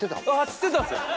知ってたんですね